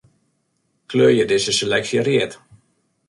Kleurje dizze seleksje read.